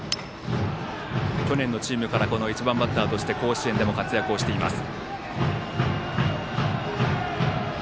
去年のチームから１番バッターで甲子園でも活躍しています。